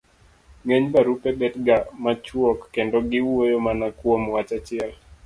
ng'eny barupe bet ga machuok kendo giwuoyo mana kuom wach achiel